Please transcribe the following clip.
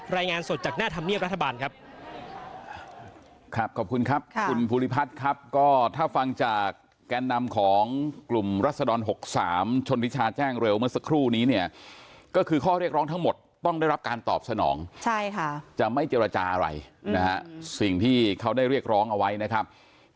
รายงานสดจากหน้าธรรมเนียบรัฐบาลครับ